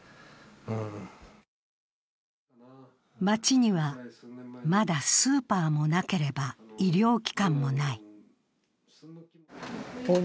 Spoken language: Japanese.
町にはまだスーパーもなければ医療機関もない。